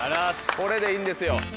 これでいいんですよ。